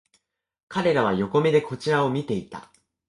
彼らは横目でこちらを見ていた